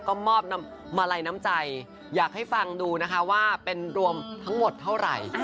ก็มอบมาลัยน้ำใจอยากให้ฟังดูนะคะว่าเป็นรวมทั้งหมดเท่าไหร่